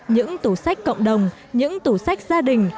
những tủ sách cộng đồng những tủ sách gia đình